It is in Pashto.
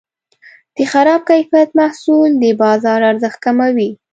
د خراب کیفیت محصول د بازار ارزښت کموي.